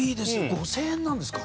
５０００円なんですか。